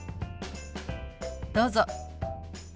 どうぞ。